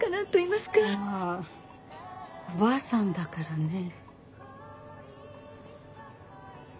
まぁおばあさんだからねぇ。